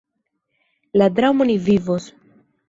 La dramo "Ni vivos!